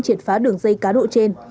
triệt phá đường dây cá độ trên